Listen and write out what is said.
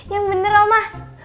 yang bener oma